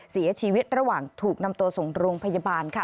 เสียชีวิตระหว่างถูกนำตัวส่งโรงพยาบาลค่ะ